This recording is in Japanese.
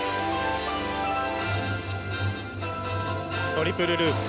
トリプルループ。